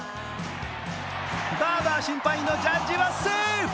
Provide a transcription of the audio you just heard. バーバー審判員のジャッジはセーフ！